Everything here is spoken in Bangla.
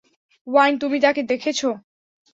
ওয়াইন তুমি তাকে দেখেছো?